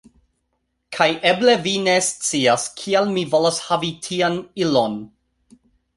Kaj eble vi ne scias, kial mi volas havi tian ilon.